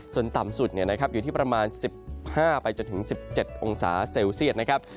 ส่วนต่ำสุดอยู่ที่ประมาณ๑๕ไปจนถึง๑๗องศาเซลเซียตนะครับ